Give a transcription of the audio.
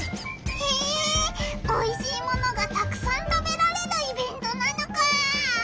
へえおいしいものがたくさん食べられるイベントなのか！